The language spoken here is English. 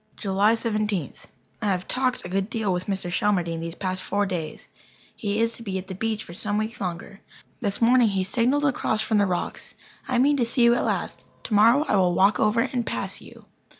July Seventeenth. I have "talked" a good deal with Mr. Shelmardine these past four days. He is to be at the beach for some weeks longer. This morning he signalled across from the rocks: "I mean to see you at last. Tomorrow I will walk over and pass you."